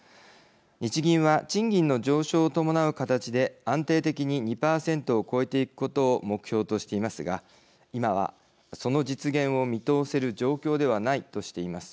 日銀は賃金の上昇を伴う形で安定的に２％を超えていくことを目標としていますが今はその実現を見通せる状況ではないとしています。